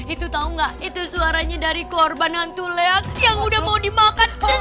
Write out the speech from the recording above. itu tahu nggak itu suaranya dari korban hantu leak yang udah mau dimakan